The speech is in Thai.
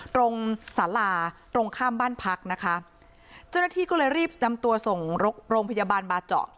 สาราตรงข้ามบ้านพักนะคะเจ้าหน้าที่ก็เลยรีบนำตัวส่งโรงพยาบาลบาเจาะ